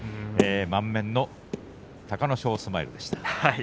満面の隆の勝スマイルでした。